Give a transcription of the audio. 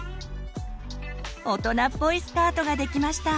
大人っぽいスカートができました。